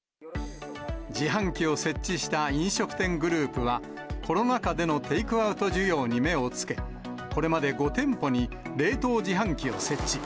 自販機を設置した飲食店グループは、コロナ禍でのテイクアウト需要に目をつけ、これまで５店舗に冷凍自販機を設置。